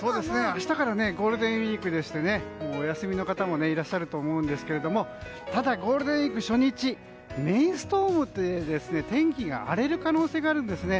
明日からゴールデンウィークでしてお休みの方もいらっしゃると思うんですがただ、ゴールデンウィーク初日メイストームといって天気が荒れる可能性があるんですね。